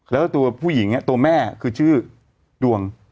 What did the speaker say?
แล้วตัวผู้หญิงตัวแม่คือชื่อดวง